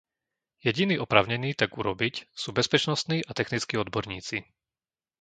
Jediní oprávnení tak urobiť sú bezpečnostní a technickí odborníci.